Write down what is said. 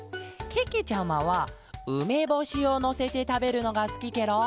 けけちゃまはうめぼしをのせてたべるのがすきケロ。